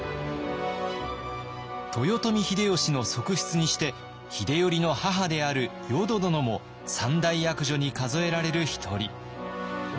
豊臣秀吉の側室にして秀頼の母である淀殿も三大悪女に数えられる一人。